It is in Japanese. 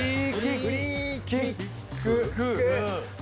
フリーキック。